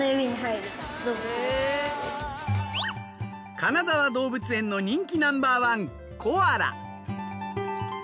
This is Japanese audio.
金沢動物園の人気ナンバーワンコアラ。